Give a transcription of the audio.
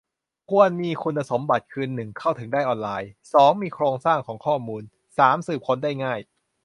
ควรมีคุณสมบัติคือ หนึ่ง เข้าถึงได้ออนไลน์ สอง มีโครงสร้างของข้อมูล สาม สืบค้นได้ง่าย